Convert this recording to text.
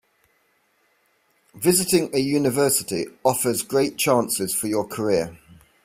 Visiting a university offers great chances for your career.